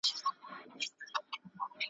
پر شهباز به یې یوه نیمه غزل وي ,